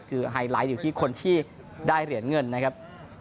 คือไฮไลท์อยู่ที่คนที่ได้เหรียญเงินนะครับ